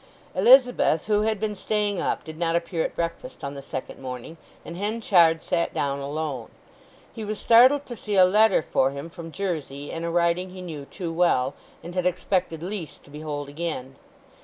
Elizabeth, who had been staying up, did not appear at breakfast on the second morning, and Henchard sat down alone. He was startled to see a letter for him from Jersey in a writing he knew too well, and had expected least to behold again.